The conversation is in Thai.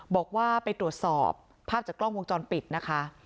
บอกว่าไปตรวจสอบภาพจากกล้องวงจรปิดนะคะ